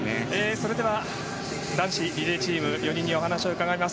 それでは男子リレーチーム４人にお話をお伺いします。